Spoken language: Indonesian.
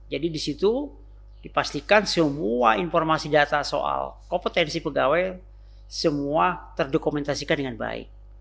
jadi di situ dipastikan semua informasi data soal kompetensi pegawai semua terdokumentasikan dengan baik